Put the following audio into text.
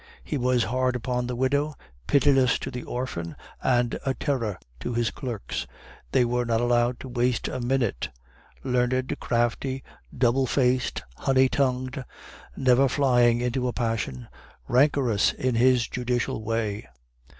He was hard upon the widow, pitiless to the orphan, and a terror to his clerks; they were not allowed to waste a minute. Learned, crafty, double faced, honey tongued, never flying into a passion, rancorous in his judicial way."